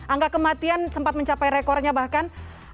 angka kematian sempat mencapai rekornya bahkan